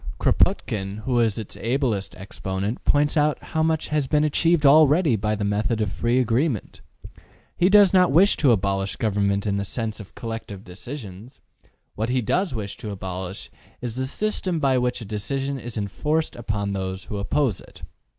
Kropotkin, who is its ablest exponent, points out how much has been achieved already by the method of free agreement. He does not wish to abolish government in the sense of collective decisions: what he does wish to abolish is the system by which a decision is en forced upon those who oppose it.